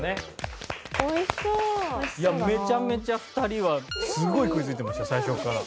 いやめちゃめちゃ２人はすごい食いついてました最初から。